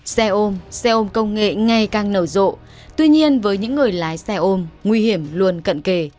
xe ôm xe ôm công nghệ ngày càng nở rộ tuy nhiên với những người lái xe ôm nguy hiểm luôn cận kề